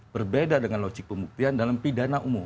berbeda dengan logik pembuktian dalam pidana umum